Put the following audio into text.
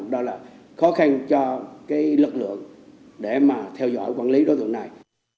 đó là khó khăn cho lực lượng để theo dõi quản lý đối tượng này